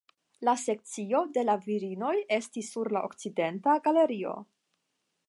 La sekcio de la virinoj estis sur la okcidenta galerio.